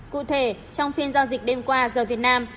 cụ thể trong phiên giao dịch đêm qua giờ việt nam